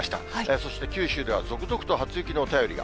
そして、九州では続々と初雪の便りが。